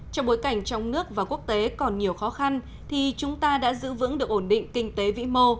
trong bối cảnh trong nước và quốc tế còn nhiều khó khăn thì chúng ta đã giữ vững được ổn định kinh tế vĩ mô